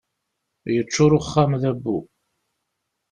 Yeččur uxxam d abbu.